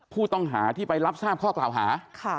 ผู้ต้องหาที่ไปรับทราบข้อกล่าวหา